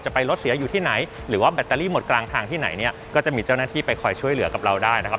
ไปรถเสียอยู่ที่ไหนหรือว่าแบตเตอรี่หมดกลางทางที่ไหนเนี่ยก็จะมีเจ้าหน้าที่ไปคอยช่วยเหลือกับเราได้นะครับ